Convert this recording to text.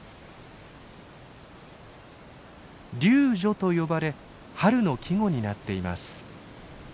「柳絮」と呼ばれ春の季語になっています。